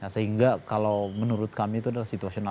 sehingga kalau menurut kami itu adalah situasional